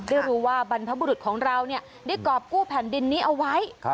ได้รู้ว่าบรรพบุรุษของเราได้กรอบกู้แผ่นดินนี้เอาไว้